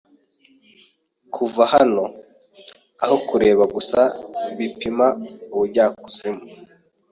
Kuva hano aho kureba gusa bipima ubujyakuzimu